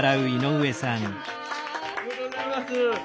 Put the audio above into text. おめでとうございます。